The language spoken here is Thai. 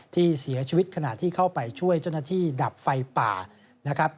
ที่เสียชีวิตขณะที่เข้าไปช่วยเจ้าหน้าที่ดับไฟป่านะครับ